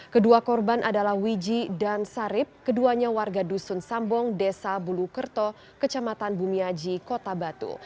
kedua korban adalah wiji dan sarip keduanya warga dusun sambong desa bulukerto kecamatan bumiaji kota batu